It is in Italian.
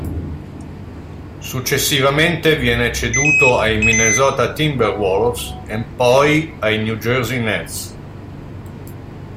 Successivamente viene ceduto ai Minnesota Timberwolves e poi ai New Jersey Nets.